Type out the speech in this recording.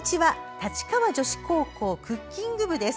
立川女子高校クッキング部です。